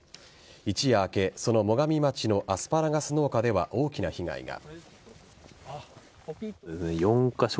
一夜明け、その最上町のアスパラガス農家では大きな被害が。